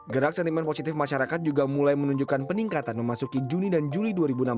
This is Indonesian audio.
gerak sentimen positif masyarakat juga mulai menunjukkan peningkatan memasuki juni dan juli dua ribu enam belas